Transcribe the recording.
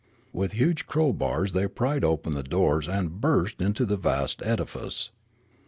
With huge crowbars they pried open the doors and burst into the vast edifice.